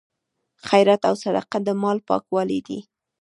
خیرات او صدقه د مال پاکوالی دی.